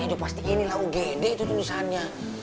ya udah pasti ini lah ugd itu tulisannya